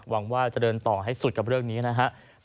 หวังว่าจะเดินต่อให้สุดกับเรื่องนี้นะครับ